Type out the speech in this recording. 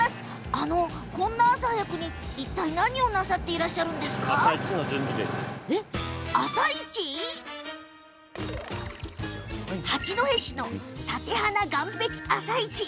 あのこんな朝早くに何をなさっているんですか？八戸市の館鼻岸壁朝市。